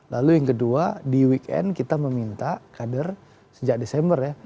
lalu yang kedua di weekend kita meminta kader sejak desember ya